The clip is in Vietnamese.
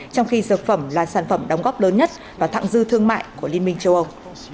trong khi dược phẩm là sản phẩm đóng góp lớn nhất và thẳng dư thương mại của liên minh châu âu